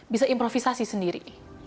bisa improvisasi sendiri